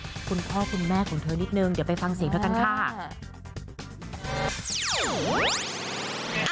คุณพ่อคุณแม่ของเธอนิดนึงเดี๋ยวไปฟังเสียงเธอกันค่ะ